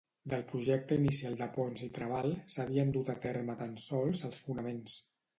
Del projecte inicial de Pons i Trabal s'havien dut a terme tan sols els fonaments.